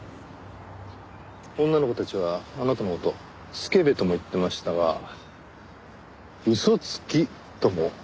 女の子たちはあなたの事「スケベ」とも言ってましたが「嘘つき」とも言ってました。